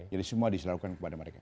jadi semua disesuaikan kepada mereka